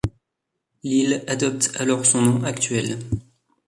L'île adopte alors son nom actuel.